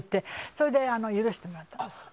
それで、許してもらったの。